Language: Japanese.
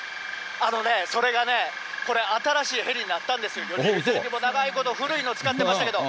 それがね、これ、新しいヘリになったんですよ、読売、長いこと古いヘリだったんですけど。